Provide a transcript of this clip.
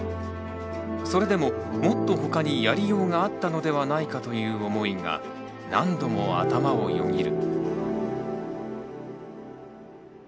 それでももっと他にやりようがあったのではないかという思いが何度も頭をよぎる。